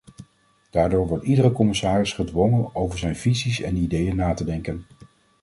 Daardoor wordt iedere commissaris gedwongen om over zijn visies en ideeën na te denken.